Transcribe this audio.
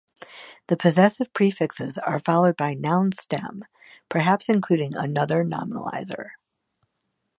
The possessive prefixes are followed by noun stem, perhaps including another nominalizer.